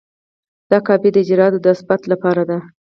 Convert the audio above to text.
دا کاپي د اجرااتو د اثبات لپاره ده.